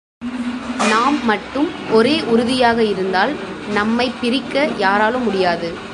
நாம் மட்டும் ஒரே உறுதியாக இருந்தால் நம்மைப் பிரிக்க யாராலும் முடியாது.